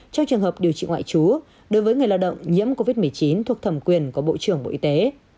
trong trường hợp điều trị ngoại trú đối với người lao động nhiễm covid một mươi chín thuộc thẩm quyền của bộ trưởng bộ y tế